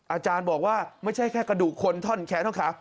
อาจารย์บอกว่าไม่ใช่แค่กระดูกคนท่อนแขนท่อนขา